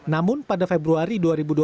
namun pada februari dua ribu dua puluh